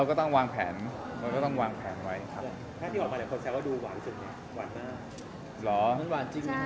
ก็ทำให้นอนหลับครบ๗ชั่วโมง